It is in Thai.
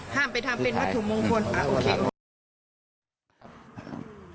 ห้ามไปทำเป็นวัตถุมงคล